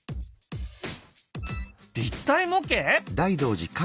立体模型！？